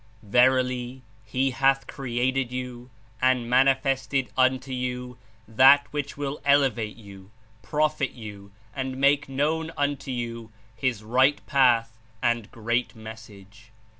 Verily, He hath created you and manifested unto you that which will elevate you, profit you and make known unto you His Right Path and Great Message.